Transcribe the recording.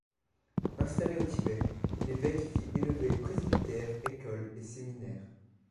Installé au Tibet, l’évêque y fit élever presbytère écoles et séminaires.